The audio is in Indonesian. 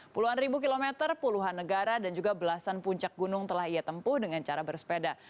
puluhan ribu kilometer puluhan negara dan juga belasan puncak gunung telah ia tempuh dengan cara bersepeda